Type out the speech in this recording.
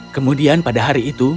kemudian pada hari itu